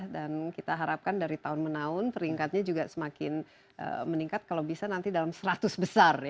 dan kita harapkan dari tahun menaun peringkatnya juga semakin meningkat kalau bisa nanti dalam seratus besar